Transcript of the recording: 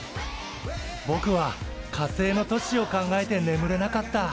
ぼくは火星の都市を考えてねむれなかった。